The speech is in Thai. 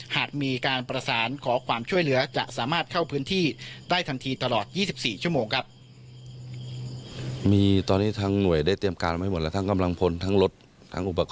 หากมีการประสานขอความช่วยเหลือจะสามารถเข้าพื้นที่ได้ทันทีตลอด๒๔ชั่วโมงครับ